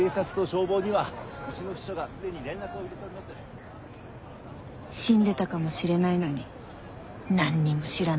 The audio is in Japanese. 死んでたかもしれないのに何にも知らないで。